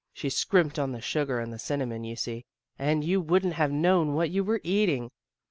She scrimped on the sugar and the cinnamon, you see, and you wouldn't have known what you were eating.